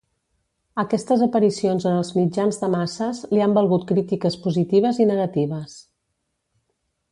Aquestes aparicions en els mitjans de masses li han valgut crítiques positives i negatives.